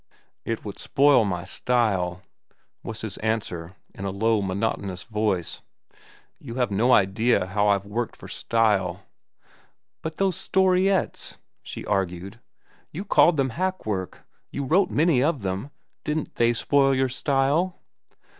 "It would spoil my style," was his answer, in a low, monotonous voice. "You have no idea how I've worked for style." "But those storiettes," she argued. "You called them hack work. You wrote many of them. Didn't they spoil your style?"